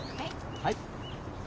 はい。